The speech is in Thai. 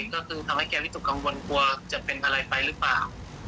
ก็คือทำให้แกวิตกกังวลกลัวจะเป็นอะไรไปหรือเปล่า